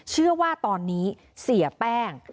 เชื่อว่าตอนนี้เสียแป้ง